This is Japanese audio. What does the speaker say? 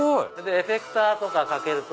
エフェクターとかかけると。